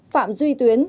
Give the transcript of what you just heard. sáu phạm duy tuyến